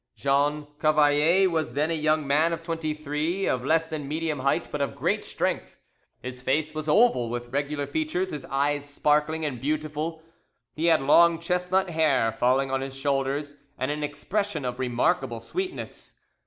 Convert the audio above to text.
Jean Cavalier was then a young man of twenty three, of less than medium height, but of great strength. His face was oval, with regular features, his eyes sparkling and beautiful; he had long chestnut hair falling on his shoulders, and an expression of remarkable sweetness.